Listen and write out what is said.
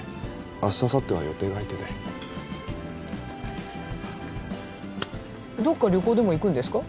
明日あさっては予定が入っててどっか旅行でも行くんですか？